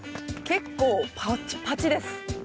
結構パッチパチです。